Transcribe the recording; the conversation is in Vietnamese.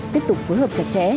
tiếp tục phối hợp chặt chẽ